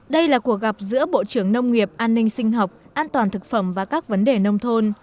đây là cuộc gặp giữa bộ trưởng nông nghiệp an ninh sinh học an toàn thực phẩm và các vấn đề nông thôn